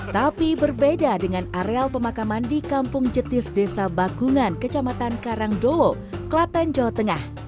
tapi berbeda dengan areal pemakaman di kampung jetis desa bakungan kecamatan karangdowo klaten jawa tengah